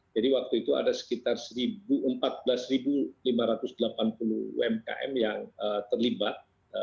jadi waktu itu ada sekitar satu empat belas lima ratus delapan puluh umkm yang terlibat